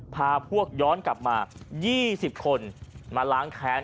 พาพวกย้อนกลับมายี่สิบคนมาล้างแขน